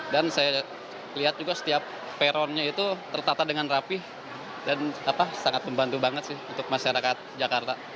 dan saya lihat juga setiap peronnya itu tertata dengan rapih dan sangat membantu banget sih untuk masyarakat jakarta